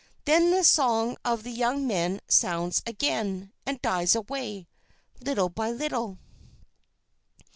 Then the song of the young men sounds again, and dies away, little by little.